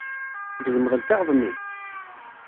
Tgezmeḍ lkaɣeḍ-nni?